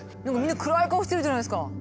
でもみんな暗い顔してるじゃないですか。